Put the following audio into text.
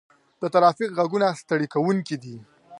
د ترافیک غږونه ستړي کوونکي دي.